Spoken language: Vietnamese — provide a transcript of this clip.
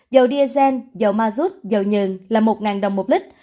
dầu diesel dầu mazut dầu nhờn là một đồng một lít